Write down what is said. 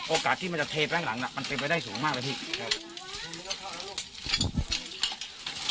โอกาสที่มันจะเทไปข้างหลังน่ะมันเป็นไปได้สูงมากเลยพี่ครับลูก